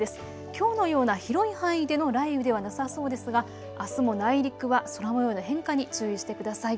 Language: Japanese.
きょうのような広い範囲での雷雨ではなさそうですがあすも内陸は空もようの変化に注意してください。